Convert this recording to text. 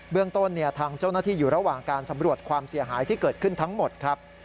เรื่องต้นทางเจ้าหน้าที่อยู่ระหว่างการสำรวจความเสียหายที่เกิดขึ้นทั้งหมดครับ